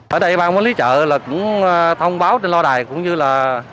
ở đây bang quản lý chợ là cũng thông báo trên lo đài cũng như là